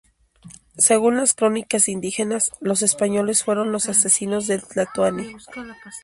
Según las crónicas indígenas, los españoles fueron los asesinos del tlatoani.